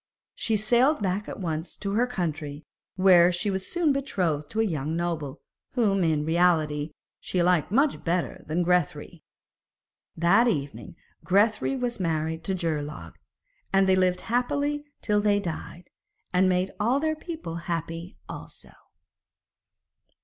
She sailed back at once to her country, where she was soon betrothed to a young noble, whom, in reality, she liked much better than Grethari. That evening Grethari was married to Geirlaug, and they lived happily till they died, and made all their people happy also.